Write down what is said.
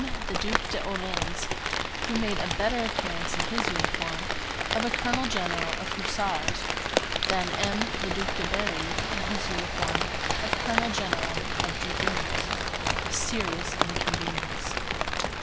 the Duc d'Orléans, who made a better appearance in his uniform of a colonel general of hussars than M. the Duc de Berri, in his uniform of colonel general of dragoons—a serious inconvenience.